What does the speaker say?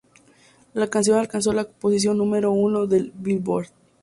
La canción alcanzó la posición número uno del "Billboard".